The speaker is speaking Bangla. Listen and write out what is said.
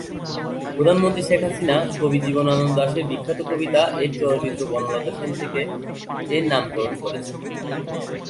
প্রধানমন্ত্রী শেখ হাসিনা কবি জীবনানন্দ দাশ এর বিখ্যাত কবিতা এর চরিত্র বনলতা সেন থেকে এর নামকরণ করছেন।